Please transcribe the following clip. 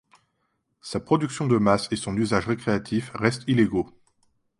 Sa production de masse et son usage récréatif restent illégaux.